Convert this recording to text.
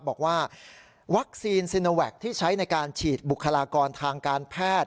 บอกว่าวัคซีนซีโนแวคที่ใช้ในการฉีดบุคลากรทางการแพทย์